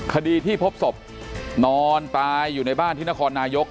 คดีที่พบศพนอนตายอยู่ในบ้านที่นครนายก